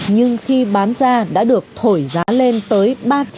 nhưng khi bán ra đã được thổi giá lên tới